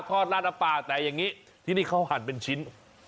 ลาดน้ำปลาแต่อย่างนี้ที่นี่เขาหั่นเป็นชิ้น